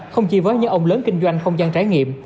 không chỉ với những ông lớn kinh doanh không gian trải nghiệm